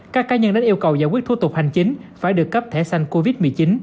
các cá nhân đã yêu cầu giải quyết thủ tục hành chính phải được cấp thẻ xanh covid một mươi chín